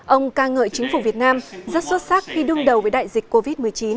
ông ca ngợi chính phủ việt nam rất xuất sắc khi đương đầu với đại dịch covid một mươi chín